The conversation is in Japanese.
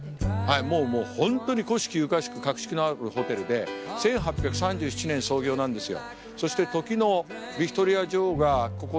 もうもうホントに古式ゆかしく格式のあるホテルで１８３７年創業なんですよ。